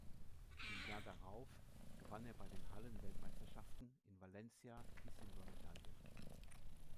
Im Jahr darauf gewann er bei den Hallenweltmeisterschaften in Valencia die Silbermedaille.